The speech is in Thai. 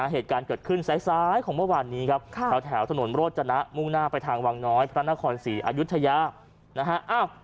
เหตุการณ์เกิดขึ้นซ้ายของเมื่อวานนี้ครับแถวถนนโรจนะมุ่งหน้าไปทางวังน้อยพระนครศรีอายุทยานะฮะ